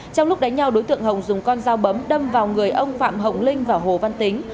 trong lúc đánh nhau đối tượng hồng dùng con dao bấm đâm vào người ông phạm hồng linh và hồ văn tính